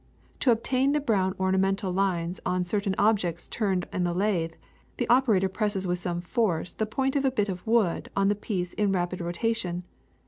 To obtain the brown ornamental lines on certain objects turned in a lathe, the operator presses with some force the point of a bit of wood on the piece in rapid rotation.